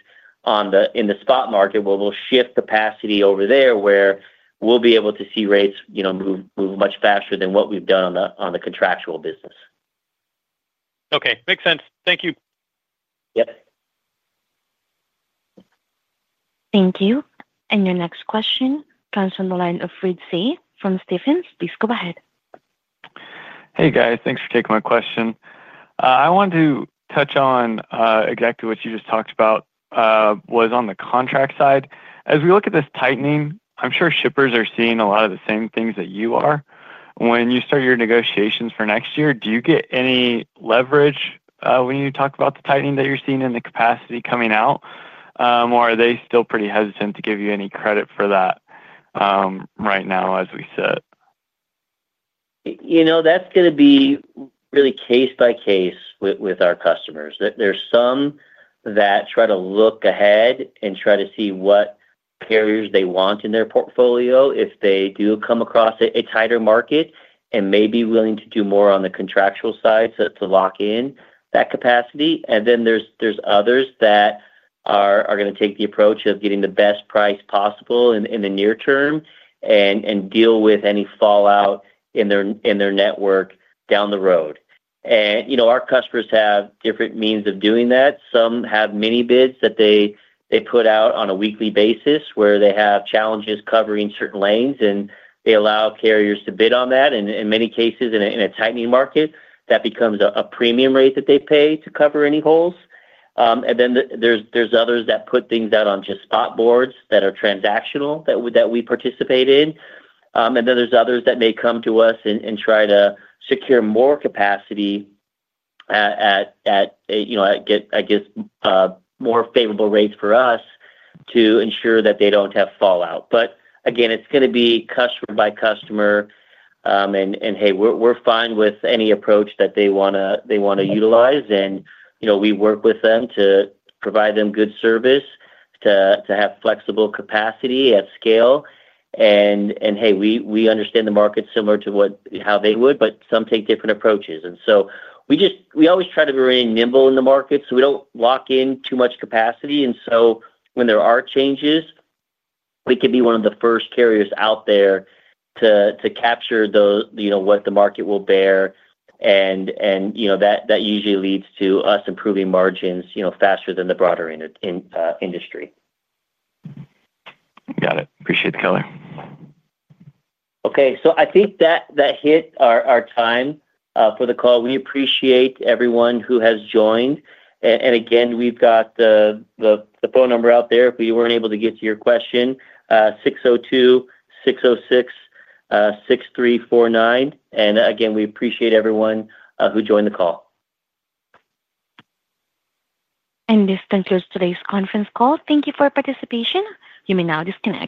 in the spot market where we'll shift capacity over there, where we'll be able to see rates move much faster than what we've done on the contractual business. Okay, makes sense. Thank you. Yep. Thank you. Your next question comes from the line of Reed Seay from Stephens. Please go ahead. Hey, guys. Thanks for taking my question. I wanted to touch on exactly what you just talked about, which was on the contract side. As we look at this tightening, I'm sure shippers are seeing a lot of the same things that you are. When you start your negotiations for next year, do you get any leverage when you talk about the tightening that you're seeing in the capacity coming out, or are they still pretty hesitant to give you any credit for that right now as we sit? You know, that's going to be really case by case with our customers. There's some that try to look ahead and try to see what carriers they want in their portfolio if they do come across a tighter market and may be willing to do more on the contractual side to lock in that capacity. There's others that are going to take the approach of getting the best price possible in the near term and deal with any fallout in their network down the road. Our customers have different means of doing that. Some have mini bids that they put out on a weekly basis where they have challenges covering certain lanes, and they allow carriers to bid on that. In many cases, in a tightening market, that becomes a premium rate that they pay to cover any holes. There's others that put things out on just spot boards that are transactional that we participate in. There's others that may come to us and try to secure more capacity at, you know, I guess, more favorable rates for us to ensure that they don't have fallout. Again, it's going to be customer by customer. We're fine with any approach that they want to utilize. We work with them to provide them good service to have flexible capacity at scale. We understand the market similar to how they would, but some take different approaches. We always try to be really nimble in the market so we don't lock in too much capacity. When there are changes, we could be one of the first carriers out there to capture those, you know, what the market will bear. That usually leads to us improving margins, you know, faster than the broader industry. Got it. Appreciate the comment. Okay. I think that hit our time for the call. We appreciate everyone who has joined. We've got the phone number out there if we weren't able to get to your question: 602-606-6349. We appreciate everyone who joined the call. This concludes today's conference call. Thank you for your participation. You may now discontinue.